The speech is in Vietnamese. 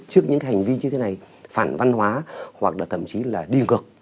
trước những hành vi như thế này phản văn hóa hoặc là thậm chí là đi cực